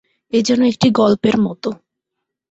এ যেন একটি গল্পের মতো।